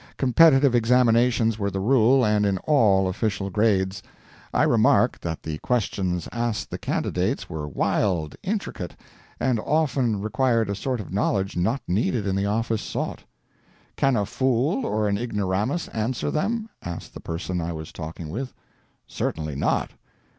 Competitive examinations were the rule and in all official grades. I remarked that the questions asked the candidates were wild, intricate, and often required a sort of knowledge not needed in the office sought. "Can a fool or an ignoramus answer them?" asked the person I was talking with. "Certainly not."